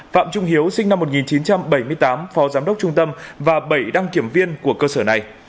phạm trung hiếu sinh năm một nghìn chín trăm bảy mươi tám phó giám đốc trung tâm và bảy đăng kiểm viên của cơ sở này